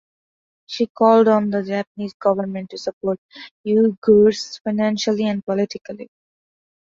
She called on the Japanese government to support Uyghurs financially and politically.